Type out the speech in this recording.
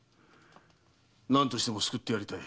何としても救ってやりたい。